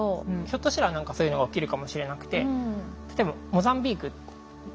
ひょっとしたら何かそういうのが起きるかもしれなくて。